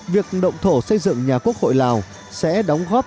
việc động thổ xây dựng nhà quốc hội lào sẽ đóng góp